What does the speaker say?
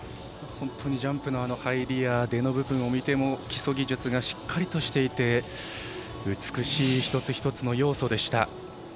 本当にジャンプの入りや出の部分を見ても基礎技術がしっかりしていて美しい一つ一つの要素でした。